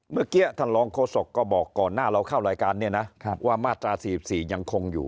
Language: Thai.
เมื่อกี้ท่านรองโฆษกก็บอกก่อนหน้าเราเข้ารายการเนี่ยนะว่ามาตรา๔๔ยังคงอยู่